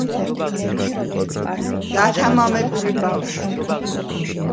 გათამამებული ბავშვი